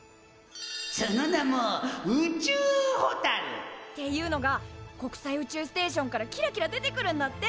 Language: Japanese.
その名も宇宙ホタル！っていうのが国際宇宙ステーションからキラキラ出てくるんだって！